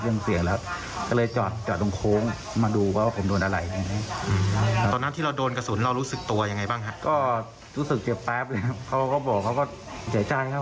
เรื่องนี้ก็ไม่อยากให้เกิดหรอกครับเพราะว่าเขาสั่งมาแล้วก็คือว่าคันนี้ต้องจับให้ได้